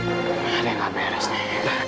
nggak ada yang gak beres nih